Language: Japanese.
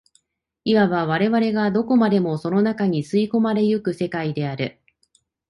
いわば我々がどこまでもその中に吸い込まれ行く世界である。